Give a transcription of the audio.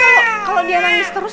kok kalau dia nangis terus